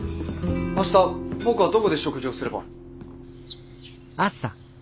明日僕はどこで食事をすれば。